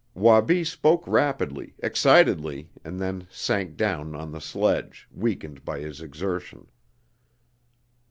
Wabi spoke rapidly, excitedly, and then sank down on the sledge, weakened by his exertion.